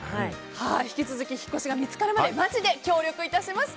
引き続き引っ越しが見つかるまでマジで協力いたします。